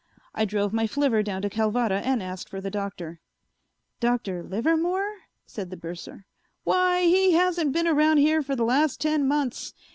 I drove my flivver down to Calvada and asked for the Doctor. "Dr. Livermore?" said the bursar. "Why, he hasn't been around here for the last ten months.